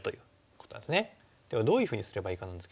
ではどういうふうにすればいいかなんですけども。